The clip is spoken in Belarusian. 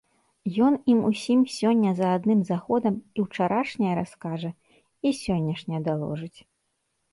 Ён ім усім сёння за адным заходам і ўчарашняе раскажа, і сённяшняе даложыць.